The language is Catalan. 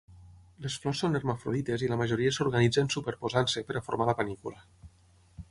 Les flors són hermafrodites i la majoria s'organitzen superposant-se per a formar la panícula.